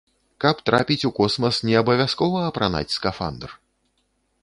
Каб трапіць у космас, не абавязкова апранаць скафандр!